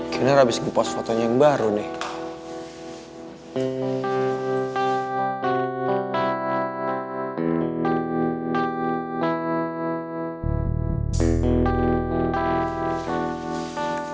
kiner abis nge post fotonya yang baru nih